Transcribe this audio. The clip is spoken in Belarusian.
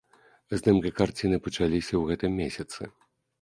Здымкі карціны пачаліся ў гэтым месяцы.